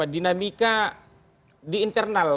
dinamika di internal